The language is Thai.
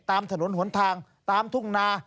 ตามถนนหนทางตามทุ่งนา